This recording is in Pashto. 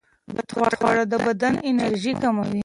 بدخواړه د بدن انرژي کموي.